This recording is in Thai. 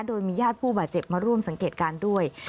โดยมีญาติผู้บาดเจ็บมาร่วมสังเกตการณ์ด้วย